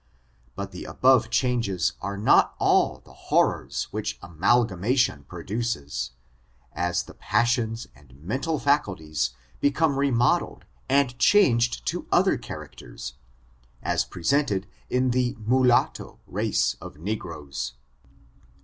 But the above changes are not all the horrors which amalgamation produces ; as the passions and mental faculties be come remodeled and changed to other characters, as presented in the mulatto race of negroes.